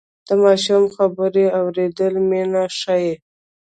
د ماشوم خبرې اورېدل مینه ښيي.